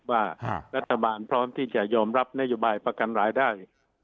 ว่ารัฐบาลพร้อมที่จะยอมรับนโยบายประกันรายได้